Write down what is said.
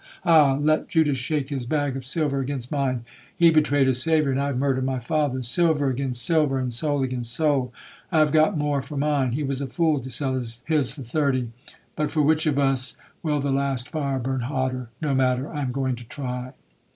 ha! ha! Let Judas shake his bag of silver against mine,—he betrayed his Saviour, and I have murdered my father. Silver against silver, and soul against soul. I have got more for mine,—he was a fool to sell his for thirty. But for which of us will the last fire burn hotter?—no matter, I am going to try.'